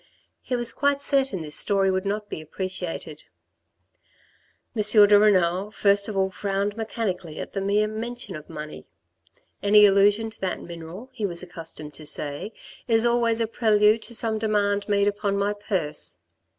He was quite certain this story would not be appreciated. M. de Renal first of all frowned mechanically at the mere mention of money. Any allusion to that mineral, he was accustomed to say, is always a prelude to some demand made upon my purse.